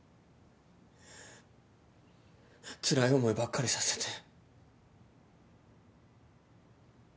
つらい思いばっかりさせて。